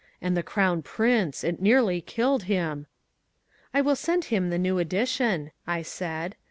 And the Crown Prince! It nearly killed him!" "I will send him the new edition," I said.